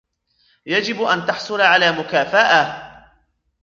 يجب ان تحصل على مكافأة